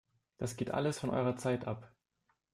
Das geht alles von eurer Zeit ab!